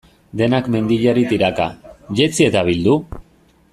Denak mendiari tiraka, jetzi eta bildu?